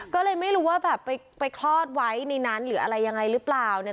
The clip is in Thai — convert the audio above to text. ก็เลยไม่รู้ว่าแบบไปคลอดไว้ในนั้นหรืออะไรยังไงหรือเปล่าเนี่ย